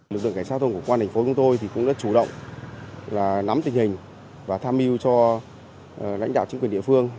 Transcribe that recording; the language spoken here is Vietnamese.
lực lượng cảnh sát thông của quan thành phố của tôi cũng rất chủ động là nắm tình hình và tham mưu cho lãnh đạo chính quyền địa phương